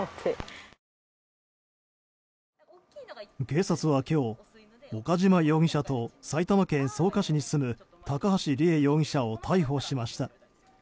警察は今日、岡島容疑者と埼玉県草加市に住む高橋里衣容疑者を逮捕しました。